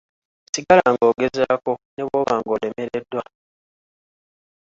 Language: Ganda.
Sigala ng'ogezaako ne bw'oba ng'olemeddwa.